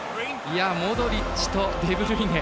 モドリッチとデブルイネ。